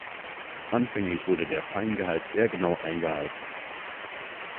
Anfänglich wurde der Feingehalt sehr genau eingehalten.